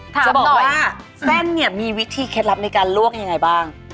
จะบอกว่าเส้นเนี่ยมีวิธีเคล็ดลับในการลวกยังไงบ้าง